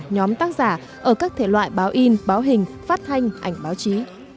nhóm tác giả ở các thể loại báo in báo hình phát thanh ảnh báo chí